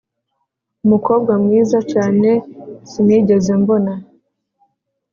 umukobwa mwiza cyane sinigeze mbona.